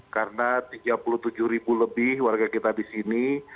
karena tiga puluh tujuh ribu lebih warga kita di sini